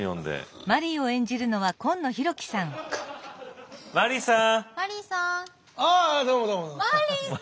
あのマリーさん